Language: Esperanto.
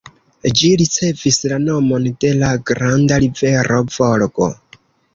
Ĝi ricevis la nomon de la granda rivero Volgo.